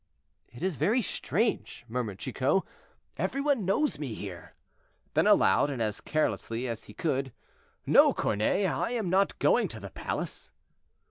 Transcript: "It is very strange," murmured Chicot, "every one knows me here." Then aloud, and as carelessly as he could, "No, cornet, I am not going to the palace."